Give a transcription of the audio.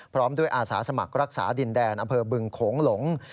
พร้อมด้วยอาสาสมัครรักษาดินแดนอำเภอบึงโขงหลง